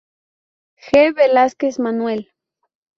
G. Velázquez Manuel.